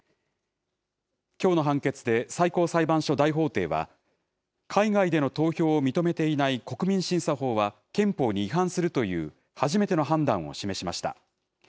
きょうの判決で最高裁判所大法廷は、海外での投票を認めていない国民審査法は憲法に違反するという初めての判断を示しました。